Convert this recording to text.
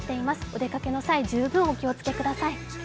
お出かけの際、十分お気をつけください。